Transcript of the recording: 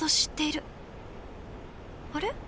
あれ？